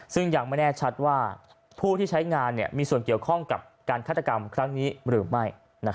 ซึ่งยังไม่แน่ชัดว่าผู้ที่ใช้งานมีส่วนเกี่ยวข้องกับการฆาตกรรมครั้งนี้หรือไม่